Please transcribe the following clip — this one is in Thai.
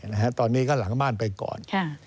ตอนนี้ก็หลังบ้านไปก่อน